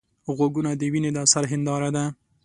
غوږونه د وینا د اثر هنداره ده